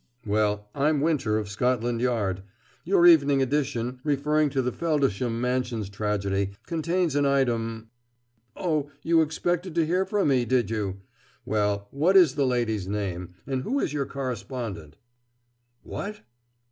Well, I'm Winter, of Scotland Yard. Your evening edition, referring to the Feldisham Mansions tragedy, contains an item.... Oh, you expected to hear from me, did you? Well, what is the lady's name, and who is your correspondent?... What?